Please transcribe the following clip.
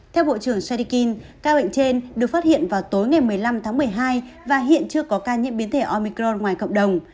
theo bộ trưởng sydikin ca bệnh trên được phát hiện vào tối ngày một mươi năm tháng một mươi hai và hiện chưa có ca nhiễm biến thể omicron ngoài cộng đồng